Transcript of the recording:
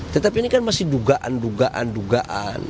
tetapi ini kan masih dugaan dugaan